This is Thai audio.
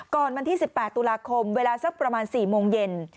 วันที่๑๘ตุลาคมเวลาสักประมาณ๔โมงเย็น